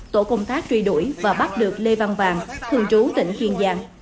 tổ công tác truy đuổi và bắt được lê văn vàng thường trú tỉnh kiên giang